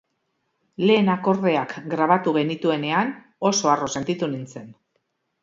Lehen akordeak grabatu genituenean, oso harro sentitu nintzen.